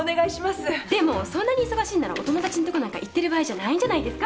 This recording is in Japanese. でもそんなに忙しいならお友達のとこなんか行ってる場合じゃないんじゃないですか？